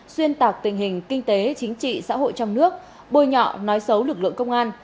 xuyên tạc tình hình kinh tế chính trị xã hội trong nước bôi nhọ nói xấu lực lượng công an